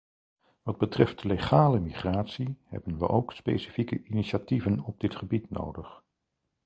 Wat betreft legale migratie, hebben we ook specifieke initiatieven op dit gebied nodig.